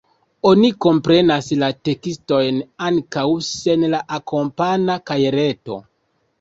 Oni komprenas la tekstojn ankaŭ sen la akompana kajereto.